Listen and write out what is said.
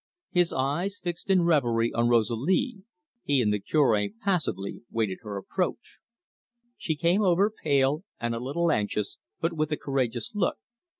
His eyes fixed in reverie on Rosalie; he and the Cure passively waited her approach. She came over, pale and a little anxious, but with a courageous look.